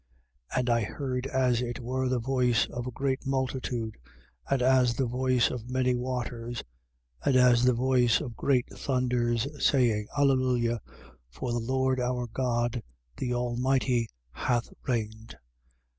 19:6. And I heard as it were the voice of a great multitude, and as the voice of many waters, and as the voice of great thunders, saying: Alleluia: for the Lord our God, the Almighty, hath reigned.